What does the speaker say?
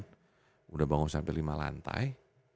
sudah bangun sampai lima lantai